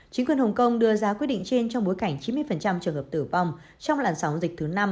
chính quyền hồng kông đưa ra quyết định trên trong bối cảnh chín mươi trường hợp tử vong trong làn sóng dịch thứ năm